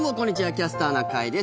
「キャスターな会」です。